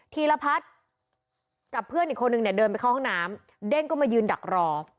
ธีรพัฒน์กับเพื่อนอีกคนนึงเนี่ยเดินไปเข้าห้องน้ำเด้งก็มายืนดักรอ